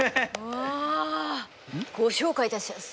わあご紹介いたしやす！